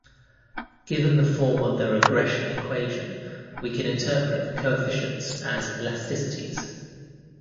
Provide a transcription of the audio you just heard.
Given the form of the regression equation, we can interpret the coefficients as elasticities.